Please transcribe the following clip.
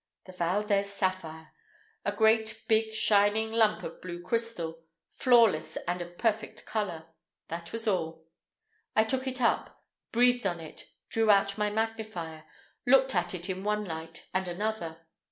The Valdez sapphire! A great big shining lump of blue crystal—flawless and of perfect color—that was all. I took it up, breathed on it, drew out my magnifier, looked at it in one light and another.